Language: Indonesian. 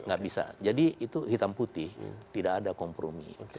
nggak bisa jadi itu hitam putih tidak ada kompromi